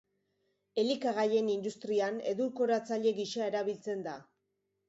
Elikagaien industrian edulkoratzaile gisa erabiltzen da.